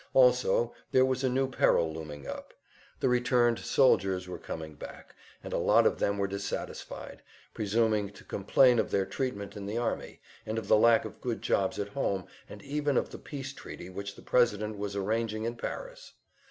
Also there was a new peril looming up; the returned soldiers were coming back, and a lot of them were dissatisfied, presuming to complain of their treatment in the army, and of the lack of good jobs at home, and even of the peace treaty which the President was arranging in Paris.